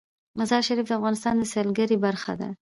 مزارشریف د افغانستان د سیلګرۍ برخه ده.